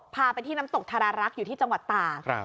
พาไปที่น้ำตกทารารักษ์อยู่ที่จังหวัดตาก